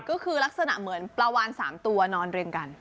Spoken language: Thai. ก็คือลักษณะเหมือนปลาวาน๓ตัวนอนเรียงกัน